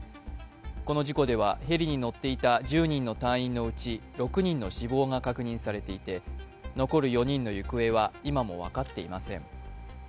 この事故ではヘリに乗っていた１０人の隊員のうち６人の死亡が確認されていて残る４人の行方は今も分かっていません。